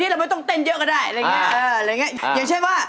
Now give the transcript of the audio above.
อย่างเช่นว่า